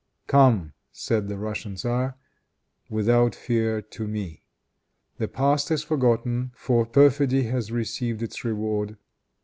"Come," said the Russian tzar, "without fear to me. The past is forgotten; for perfidy has received its reward.